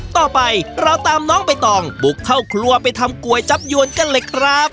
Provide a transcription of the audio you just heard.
ต่อไปเราตามน้องใบตองบุกเข้าครัวไปทำก๋วยจับยวนกันเลยครับ